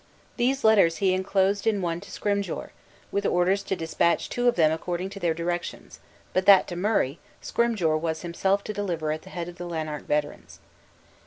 These letters he inclosed in one to Scrymgeour, with orders to dispatch two of them according to their directions; but that to Murray, Scrymgeour was himself to deliver at the head of the Lanark veterans.